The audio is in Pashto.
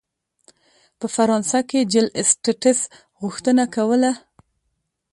په فرانسه کې جل اسټټس غوښتنه کوله.